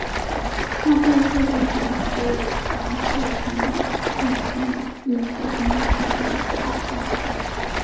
它被设计成可与长射程的共用运输工具与炮架。